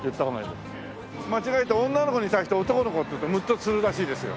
間違えて女の子に対して男の子って言うとムッとするらしいですよ。